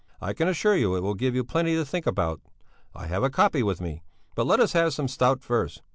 I can assure you it will give you plenty to think about. I have a copy with me. But let us have some stout first.